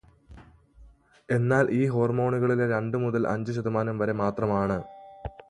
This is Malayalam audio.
എന്നാൽ ഈ ഹോര്മോണുകളിലെ രണ്ടു മുതൽ അഞ്ചു ശതമാനം വരെ മാത്രമാണ്